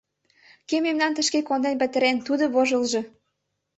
— Кӧ мемнам тышке конден петырен — тудо вожылжо!»